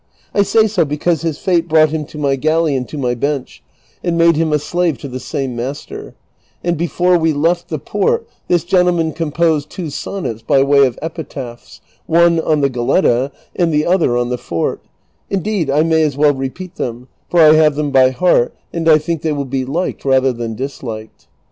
I say so because his fate bi'ouglit him to my galley and to my bench, and made him a slave to the same master ; and before we left the port this gentleman composed two sonnets by way of epitajDhs, one on the (Joletta and the other on the fort; indeed, I may as well repeat them, for I have them by heart, and I think they will be liked rather than disliked.